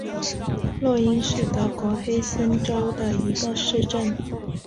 洛因是德国黑森州的一个市镇。